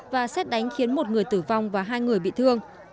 và xét đánh khiến một người tử vong và hai người bị thương